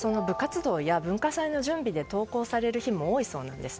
また、部活動や文化祭の準備で登校される日も多いそうなんです。